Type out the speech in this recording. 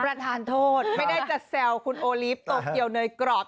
ประธานโทษไม่ได้จะแซวคุณโอลีฟโตเกียวเนยกรอบ